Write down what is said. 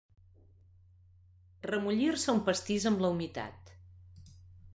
Remollir-se un pastís amb la humitat.